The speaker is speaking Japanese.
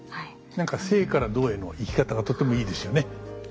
何か静から動への行き方がとてもいいですよね。